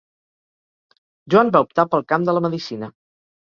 Joan va optar pel camp de la medicina.